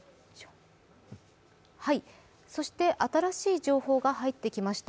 そして新しい情報が入ってきました。